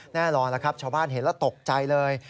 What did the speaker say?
แน่นอนแล้วครับชาวบ้านเห็นแล้วตกใจเลย